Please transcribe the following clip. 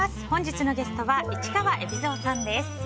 本日のゲストは市川海老蔵さんです。